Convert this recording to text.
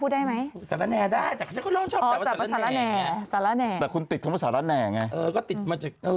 ตายแล้ว